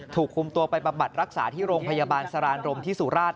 ถูกคุมตัวไปบำบัดรักษาที่โรงพยาบาลสรานรมที่สุราช